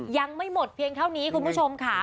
ยังไม่หมดเพียงเท่านี้คุณผู้ชมค่ะ